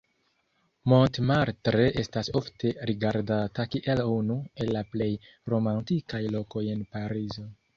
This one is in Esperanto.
Montmartre estas ofte rigardata kiel unu el la plej romantikaj lokoj en Parizo.